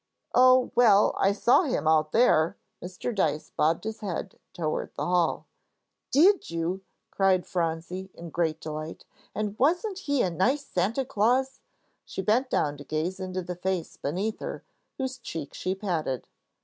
"Oh, well, I saw him out there," Mr. Dyce bobbed his head toward the hall. "Did you?" cried Phronsie, in great delight; "and wasn't he a nice Santa Claus?" She bent down to gaze into the face beneath her, whose cheek she patted.